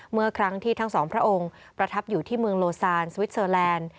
เมื่อครั้งที่ทั้งสองพระองค์ประทับอยู่ที่เมืองโลซานสวิสเซอร์แลนด์